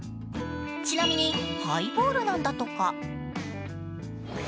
ちなみにハイボールなんだとか。